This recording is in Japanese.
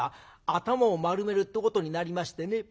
頭を丸めるってことになりましてね。